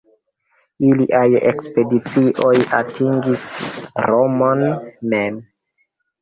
Iliaj ekspedicioj atingis Romon mem.